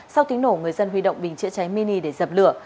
sau tiếng nổ người dân huy động bình chữa cháy mini để dập lửa